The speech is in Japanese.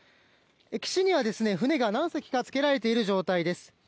岸には船が何隻かつけられている状態です。